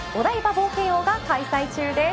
冒険王が開催中です。